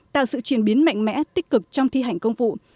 tạo sự chuyển biến mạnh mẽ tích cực trong thi hành công vụ